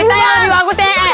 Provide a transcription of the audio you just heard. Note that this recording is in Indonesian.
kita yang lebih bagus eh